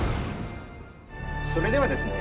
それではですね